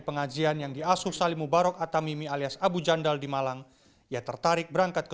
pengajian yang diasuh salim mubarok atamimi alias abu jandal di malang ia tertarik berangkat ke